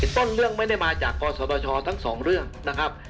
ต้นเรื่องไม่ได้มาจากกศตชทั้งสองเรื่องนะครับ